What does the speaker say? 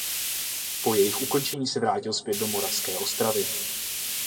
Po jejich ukončení se vrátil zpět do Moravské Ostravy.